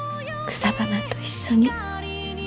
草花と一緒に。